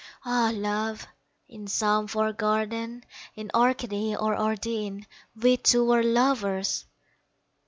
Ah, Love! in some far garden, In Arcady or Arden, We two were lovers!